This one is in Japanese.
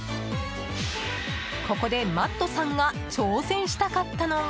ここでマットさんが挑戦したかったのが。